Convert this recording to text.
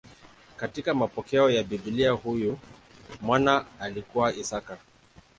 Katika mapokeo ya Biblia huyu mwana alikuwa Isaka.